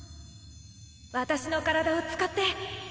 私の体を使って。